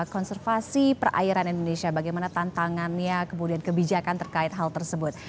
konservasi perairan indonesia bagaimana tantangannya kemudian kebijakan terkait hal tersebut